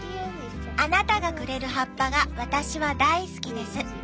「あなたがくれる葉っぱが私は大好きです。